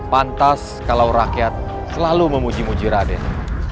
pantas kalau rakyat selalu memuji muji raden